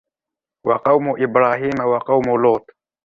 وقوم إبراهيم وقوم لوط